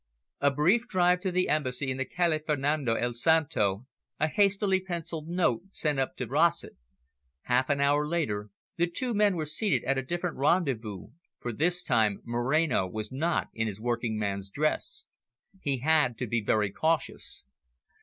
A brief drive to the Embassy in the Calle Fernando el Santo, a hastily pencilled note sent up to Rossett. Half an hour later, the two men were seated at a different rendezvous, for this time Moreno was not in his working man's dress. He had to be very cautious.